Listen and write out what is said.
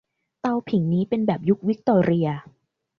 เตาผิงนี้เป็นแบบยุควิคตอเรีย